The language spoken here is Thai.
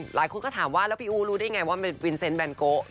หลายคนก็ถามว่าแล้วพี่อู๋รู้ได้ไงว่ามันเป็นวินเซนต์แบนโก